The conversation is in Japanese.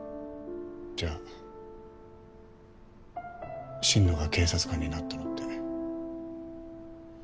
じゃあ心野が警察官になったのって。